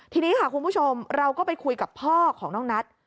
ทีนี้ค่ะคุณผู้ชมเราก็ไปคุยกับพ่อของน้องนัท